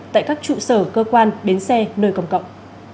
tại các trụ sở cơ quan bến xe nơi công cộng